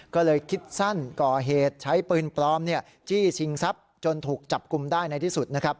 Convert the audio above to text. ก็เลยคิดสั้นก่อเหตุใช้ปืนปลอมจี้ชิงทรัพย์จนถูกจับกลุ่มได้ในที่สุดนะครับ